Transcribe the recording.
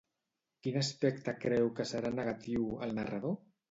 Quin aspecte creu que serà negatiu el narrador?